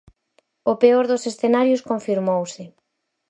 O peor dos escenarios confirmouse.